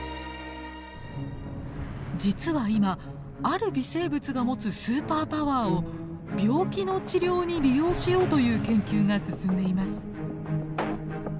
実は今ある微生物が持つスーパーパワーを病気の治療に利用しようという研究が進んでいます。